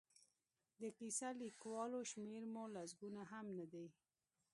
د کیسه لیکوالو شمېر مو لسګونه هم نه دی.